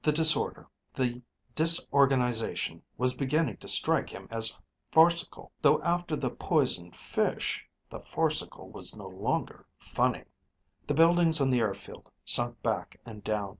The disorder, the disorganization was beginning to strike him as farcical. Though after the poisoned fish, the farcical was no longer funny. The buildings on the airfield sunk back and down.